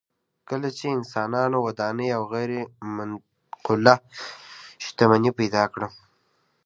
کله چې انسانانو ودانۍ او غیر منقوله شتمني پیدا کړه